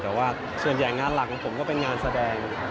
แต่ว่าส่วนใหญ่งานหลักของผมก็เป็นงานแสดง